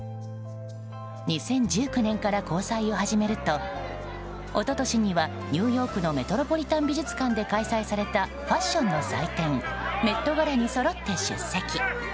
２０１９年から交際を始めると一昨年にはニューヨークのメトロポリタン美術館で開催されたファッションの祭典にそろって出席。